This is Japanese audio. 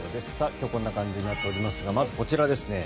今日はこんな感じになっておりますがまずこちらです。